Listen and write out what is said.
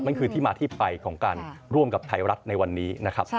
คือที่มาที่ไปของการร่วมกับไทยรัฐในวันนี้นะครับ